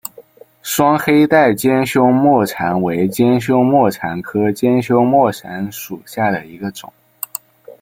双黑带尖胸沫蝉为尖胸沫蝉科尖胸沫蝉属下的一个种。